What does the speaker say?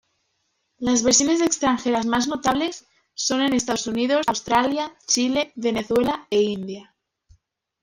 Las versiones extranjeras más notables son en Estados Unidos, Australia, Chile, Venezuela e India.